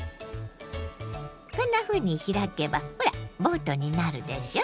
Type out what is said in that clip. こんなふうに開けばほらボートになるでしょ。